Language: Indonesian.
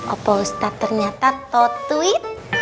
apa ustadz ternyata totuit